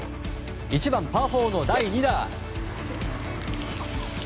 １番、パー４の第２打。